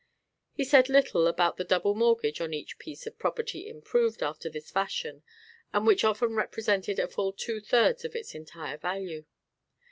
He said little about the double mortgage on each piece of property "improved" after this fashion and which often represented a full two thirds of its entire value.